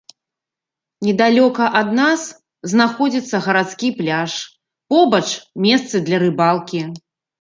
Недалёка ад нас знаходзіцца гарадскі пляж, побач месцы для рыбалкі.